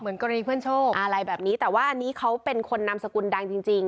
กรณีเพื่อนโชคอะไรแบบนี้แต่ว่าอันนี้เขาเป็นคนนามสกุลดังจริงจริง